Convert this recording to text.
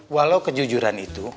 walau kejujuran itu